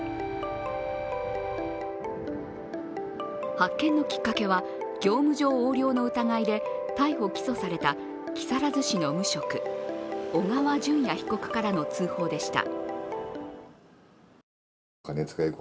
発見のきっかけは、業務上横領の疑いで逮捕・起訴された木更津市の無職、小川順也被告からの通報でした。